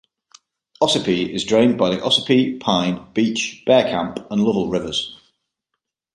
Ossipee is drained by the Ossipee, Pine, Beech, Bearcamp and Lovell rivers.